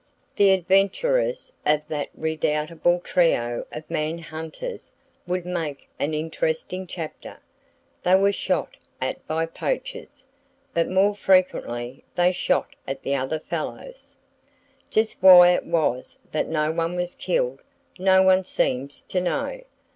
The adventures of that redoubtable trio of man hunters would make an interesting chapter. They were shot at by poachers, but more frequently they shot at the other fellows. Just why it was that no one was killed, no one seems to know.